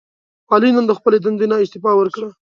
علي نن د خپلې دندې نه استعفا ورکړه.